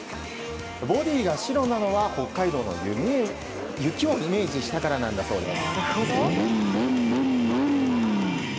ボディーが白なのは北海道の雪をイメージしたからなんだそうです。